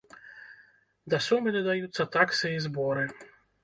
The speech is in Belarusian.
Да сумы дадаюцца таксы і зборы.